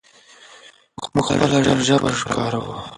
موږ خپله ژبه کاروو.